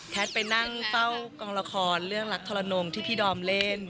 ไปนั่งเฝ้ากองละครเรื่องรักทรนงที่พี่ดอมเล่น